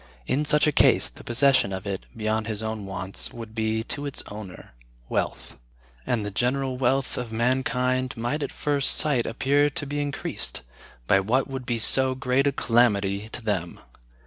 In such a case, the possession of it, beyond his own wants, would be, to its owner, wealth; and the general wealth of mankind might at first sight appear to be increased, by what would be so great a calamity to them.